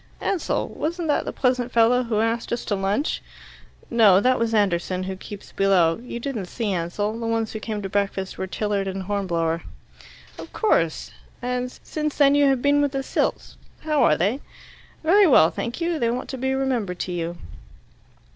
"Ansell? Wasn't that the pleasant fellow who asked us to lunch?" "No. That was Anderson, who keeps below. You didn't see Ansell. The ones who came to breakfast were Tilliard and Hornblower." "Of course. And since then you have been with the Silts. How are they?" "Very well, thank you. They want to be remembered to you."